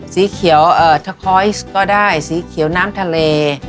สีเขียวทะคอยสก็ได้สีเขียวน้ำทะเล